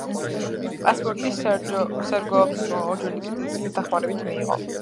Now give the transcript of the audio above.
პასპორტი სერგო ორჯონიკიძის დახმარებით მიიღო.